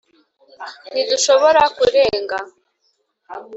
ntibushobora kurenga t